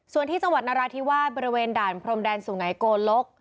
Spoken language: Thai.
ส่วนที่สวรรค์นรธิวาดบริเวณด่านพรมแดนสูงไหนโกลก